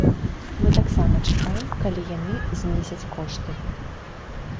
Мы таксама чакаем, калі яны знізяць кошты.